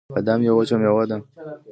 بادام یوه وچه مېوه ده